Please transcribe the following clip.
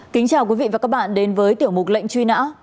kính chào quý vị và các bạn đến với tiểu mục lệnh truy nã